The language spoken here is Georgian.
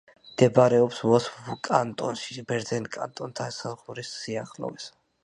მდებარეობს ვოს კანტონში, ბერნის კანტონთან საზღვრის სიახლოვეს.